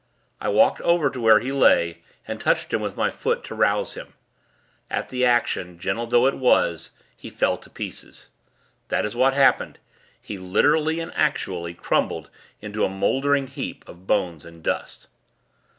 I walked over to where he lay, and touched him with my foot, to rouse him. At the action, gentle though it was, he fell to pieces. That is what happened; he literally and actually crumbled into a mouldering heap of bones and dust.